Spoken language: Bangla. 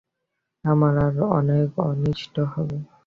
আমার আর কত অনিষ্ট হবে?